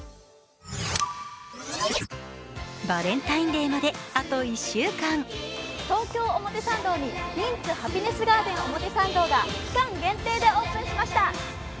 バレンタインデーまであと１週間東京表参道にリンツハピネスガーデン表参道が期間限定でオープンしました。